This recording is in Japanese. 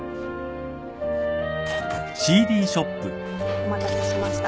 お待たせしました。